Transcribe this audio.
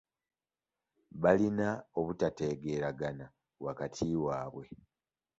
Balina obutategeeragana wakati waabwe.